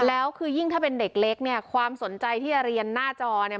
แล้วคือยิ่งถ้าเป็นเด็กเล็กเนี่ยความสนใจที่จะเรียนหน้าจอเนี่ย